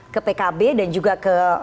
ke pkb dan juga ke